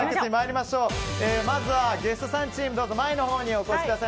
まずはゲストさんチーム前のほうにお越しください。